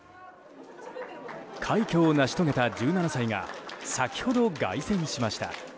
快挙を成し遂げた１７歳が先ほど凱旋しました。